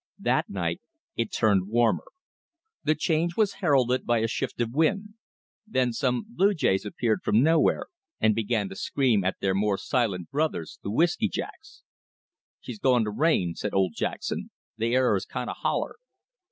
That night it turned warmer. The change was heralded by a shift of wind. Then some blue jays appeared from nowhere and began to scream at their more silent brothers, the whisky jacks. "She's goin' to rain," said old Jackson. "The air is kind o' holler."